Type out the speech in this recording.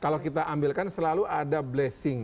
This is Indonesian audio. kalau kita ambil kan selalu ada blessing ya